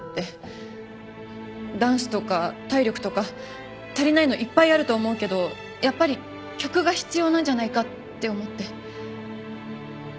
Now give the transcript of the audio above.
ダンスとか体力とか足りないのいっぱいあると思うけどやっぱり曲が必要なんじゃないかって思って。